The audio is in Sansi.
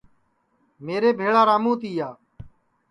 میرے بھیݪا راموں تِیا